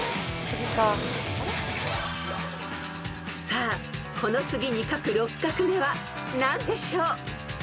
［さあこの次に書く６画目は何でしょう］